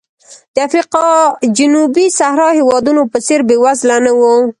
د افریقا جنوبي صحرا هېوادونو په څېر بېوزله نه و.